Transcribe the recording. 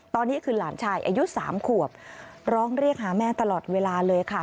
ตอนนี้คือหลานชายอายุ๓ขวบร้องเรียกหาแม่ตลอดเวลาเลยค่ะ